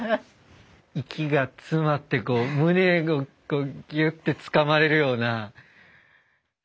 息が詰まって胸がギュッてつかまれるような。